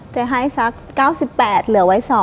จะให้สัก๙๘เหลือไว้๒